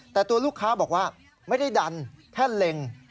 แต่ตัวลูกค้าบอกว่าไม่ได้ดันแค่เล็ง